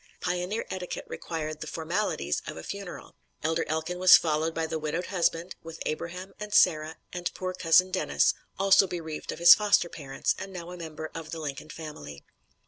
Pioneer etiquette required the formalities of a funeral. Elder Elkin was followed by the widowed husband, with Abraham and Sarah and poor Cousin Dennis, also bereaved of his foster parents, and now a member of the Lincoln family.